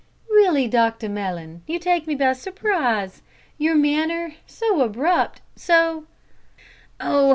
"Really, Dr Mellon, you take me by surprise; your manner so abrupt so " "Oh!